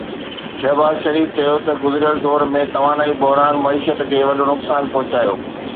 شهباز شريف چيو ته گذريل دور ۾ توانائي بحران معيشت کي وڏو نقصان پهچايو